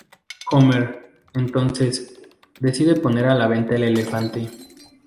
Homer, entonces, decide poner a la venta el elefante.